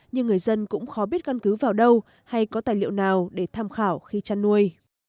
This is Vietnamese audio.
nhưng người dân cũng khó biết căn cứ vào đâu hay có tài liệu nào để tham khảo khi chăn nuôi